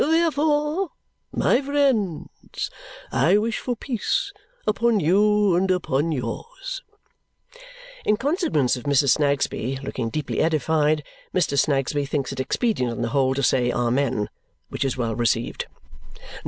Therefore, my friends, I wish for peace, upon you and upon yours." In consequence of Mrs. Snagsby looking deeply edified, Mr. Snagsby thinks it expedient on the whole to say amen, which is well received.